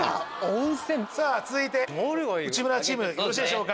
さぁ続いて内村チームよろしいでしょうか。